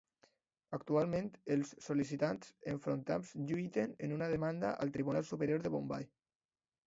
Actualment, els sol·licitants enfrontats lluiten en una demanda al Tribunal Superior de Bombai.